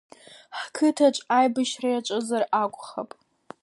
Ҳқыҭаҿ аибашьра иаҿызар акәхап.